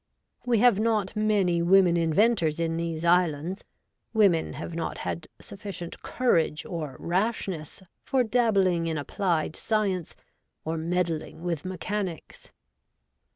We have not many women inventors in these islands. Women have not had sufficient courage or rashness for dabbling in applied science, or med dling with mechanics.